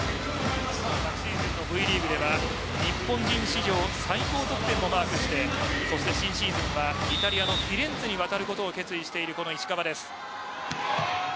昨シーズンのＶリーグでは日本人史上最高得点をマークして新シーズンはイタリアのフィレンツェに渡ることを決意している石川です。